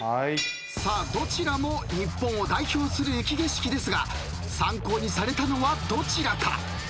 さあどちらも日本を代表する雪景色ですが参考にされたのはどちらか？